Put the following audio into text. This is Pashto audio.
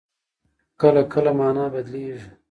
کله کله مانا بدلېږي.